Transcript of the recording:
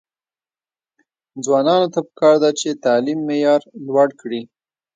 ځوانانو ته پکار ده چې، تعلیم معیار لوړ کړي.